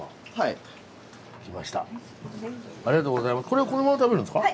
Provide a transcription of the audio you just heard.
これはこのまま食べるんですか？